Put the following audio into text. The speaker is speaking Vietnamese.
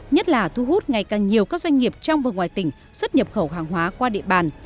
nhất là thu hút ngày càng nhiều các doanh nghiệp trong và ngoài tỉnh xuất nhập khẩu hàng hóa qua địa bàn